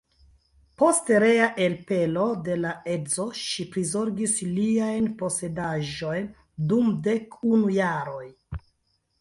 Post rea elpelo de la edzo ŝi prizorgis liajn posedaĵojn dum dek unu jaroj.